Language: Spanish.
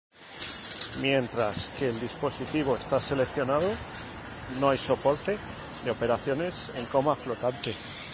Mientras que el dispositivo está seleccionado, no hay soporte de operaciones en coma flotante.